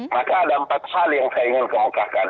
maka ada empat hal yang saya ingin kemukakan